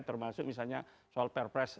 termasuk misalnya soal perpres